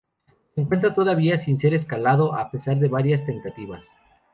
Se encuentra todavía sin ser escalado, a pesar de varias tentativas.